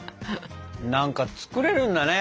何か作れるんだね。